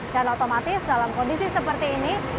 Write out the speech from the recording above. dan otomatis dalam kondisi seperti ini